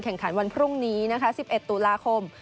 แข่งขันวันพรุ่งนี้นะคะ๑๑ตุลาคม